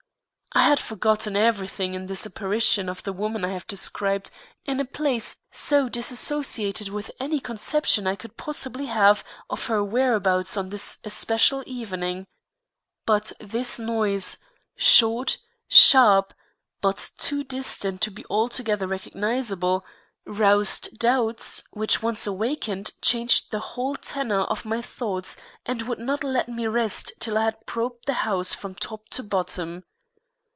I had forgotten everything in this apparition of the woman I have described in a place so disassociated with any conception I could possibly have of her whereabouts on this especial evening. But this noise, short, sharp, but too distant to be altogether recognisable, roused doubts which once awakened changed the whole tenor of my thoughts and would not let me rest till I had probed the house from top to bottom.